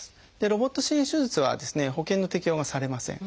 ロボット支援手術は保険の適用がされません。